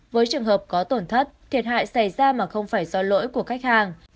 với trường hợp có tổn thất thiệt hại xảy ra mà không phải do lỗi của khách hàng